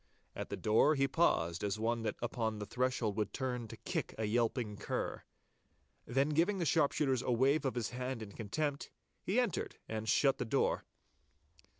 At the door he paused as one that upon the threshold would turn to kick a yelping cur. Then giving the sharpshooters a wave of his hand in contempt, he entered and shut the door.